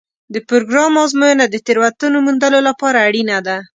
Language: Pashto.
د پروګرام ازموینه د تېروتنو موندلو لپاره اړینه ده.